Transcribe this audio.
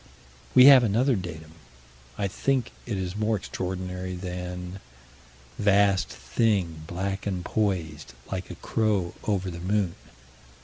We have another datum. I think it is more extraordinary than Vast thing, black and poised, like a crow, over the moon.